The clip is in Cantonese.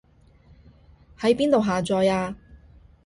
喺邊度下載啊